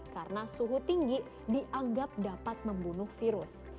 karena suhu tinggi dianggap dapat membunuh virus